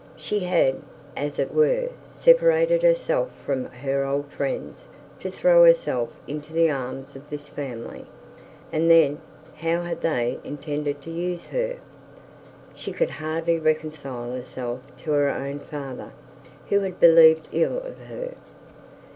She had, as it were, separated herself from her old friends to throw herself into the arms of this family; and then how had they intended to use her? She could hardly reconcile herself to her own father, who had believed ill of her.